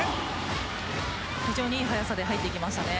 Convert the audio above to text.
非常にいい速さで入ってきましたね。